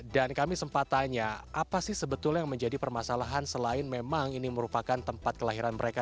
dan kami sempat tanya apa sih sebetulnya yang menjadi permasalahan selain memang ini merupakan tempat kelahiran mereka